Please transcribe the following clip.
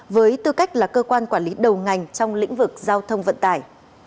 với tư cách là cơ quan quản lý đầu ngành trong lĩnh vực giao thông vận tải